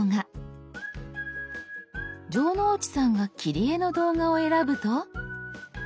城之内さんが「切り絵」の動画を選ぶと。